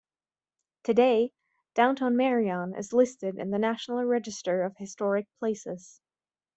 Today, downtown Marion is listed in the National Register of Historic Places.